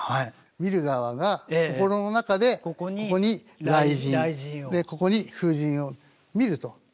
見る側が心の中でここに雷神ここに風神を見ると。